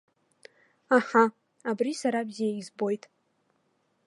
Аҳа, абри сара бзиа избоит!